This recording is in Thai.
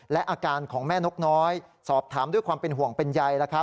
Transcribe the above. และอาการของแม่นกน้อยสอบถามด้วยความเป็นห่วงเป็นใย